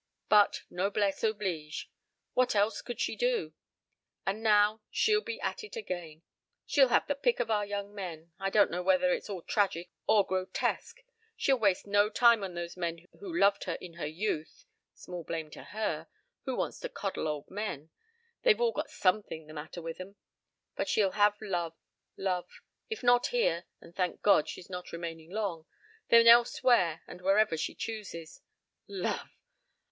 But noblesse oblige. What else could she do? And now, she'll be at it again. She'll have the pick of our young men I don't know whether it's all tragic or grotesque. She'll waste no time on those men who loved her in her youth small blame to her. Who wants to coddle old men? They've all got something the matter with 'em. ... But she'll have love love if not here and thank God, she's not remaining long then elsewhere and wherever she chooses. Love!